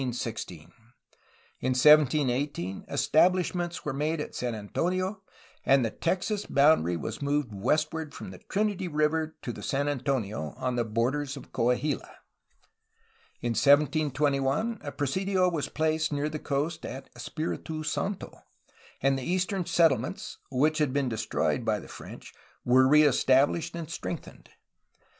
In 1718 establishments were made at San Antonio, and the Texas boundary was moved westward from the Trinity River to the San Antonio, on the borders of Coahuila. In 1721 a presidio was placed near the coast at Espfritu Santo, and the eastern settlements (which had been destroyed by the French) were reestablished and strengthened.